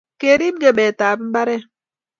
Kerip ng'emet ab mbaret